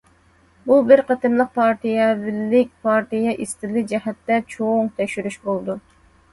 بۇ، بىر قېتىملىق پارتىيەۋىلىك، پارتىيە ئىستىلى جەھەتتە چوڭ تەكشۈرۈش بولىدۇ.